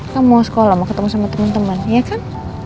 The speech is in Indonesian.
kamu mau sekolah mau ketemu sama teman teman ya kan